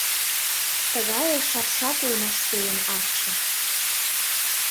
Тыгае шапшак улмаш сӧйын акше.